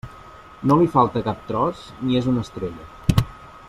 No li falta cap tros ni és una estrella.